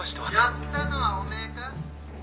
やったのはお前か？